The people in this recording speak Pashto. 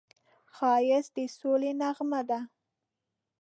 ښایست د سولې نغمه ده